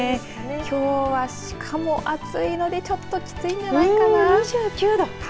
きょうはシカも暑いのでちょっときついんじゃないかな。